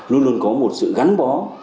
luôn luôn có một sự gắn bó